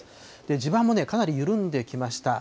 地盤もかなり緩んできました。